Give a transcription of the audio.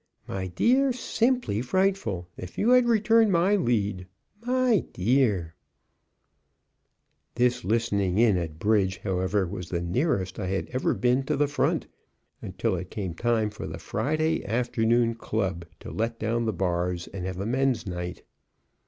my dear, simply frightful if you had returned my lead my dear!" This listening in at bridge, however, was the nearest I had ever been to the front, until it came time for the Friday Afternoon Club to let down the bars and have a Men's Night.